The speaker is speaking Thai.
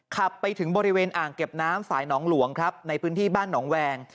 ขับไปถึงบริเวณอ่างเก็บน้ำฝ่ายหนองหลวงครับในพื้นที่บ้านหนองแวง